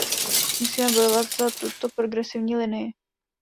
Musíme bojovat za tuto progresivní linii.